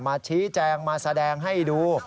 มาชี้แจงมาแสดงให้ดู